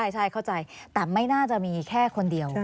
ใช่เข้าใจแต่ไม่น่าจะมีแค่คนเดียว